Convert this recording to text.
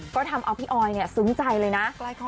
ก็ทำเอาพี่ออยซึ้งใจเลยนะ